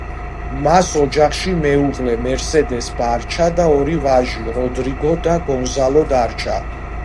მას ოჯახში მეუღლე მერსედეს ბარჩა და ორი ვაჟი, როდრიგო და გონზალო დარჩა.